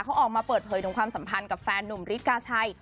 เขาออกมาเปิดเผยถึงความสัมพันธ์กับแฟนหนุ่มฤทกาชัย